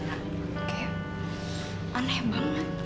kayak aneh banget